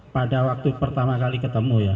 pada waktu pertama kali ketemu ya